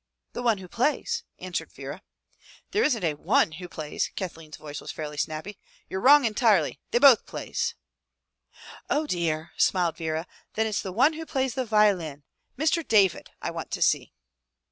"The one who plays," answered Vera. "There isn't a one" who plays." Kathleen's voice 183 M Y BOOK HOUSE was fairly snappy. "Yer wrong entirely. They both plays.'* ''Oh dear/' smiled Vera. '*Then it's the one who plays the violin — Mr. David — I want to see."